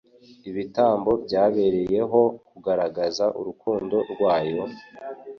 Ibitambo byabereyeho kugaragaza urukundo rwayo,